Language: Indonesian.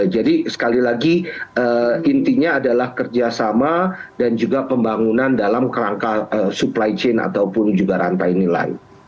jadi sekali lagi intinya adalah kerjasama dan juga pembangunan dalam kerangka supply chain ataupun juga rantai nilai